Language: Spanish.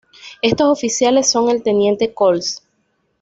Estos oficiales son el teniente Cols.